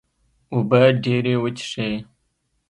اوبه ډیرې وڅښئ